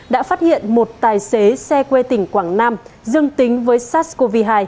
đã phát hiện một tài xế xe quê tỉnh quảng nam dương tính với sars cov hai